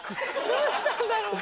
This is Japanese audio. どうしたんだろう？